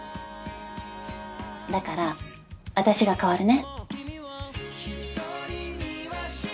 だから私が代わるね。